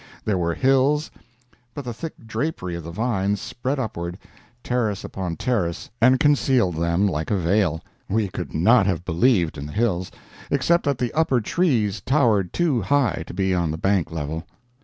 There were hills, but the thick drapery of the vines spread upward, terrace upon terrace, and concealed them like a veil. We could not have believed in the hills, except that the upper trees towered too high to be on the bank level.